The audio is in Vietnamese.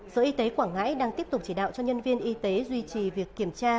sở y tế quảng ngãi đang tiếp tục chỉ đạo cho nhân viên y tế duy trì việc kiểm tra